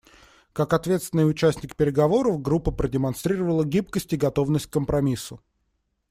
Как ответственный участник переговоров группа продемонстрировала гибкость и готовность к компромиссу.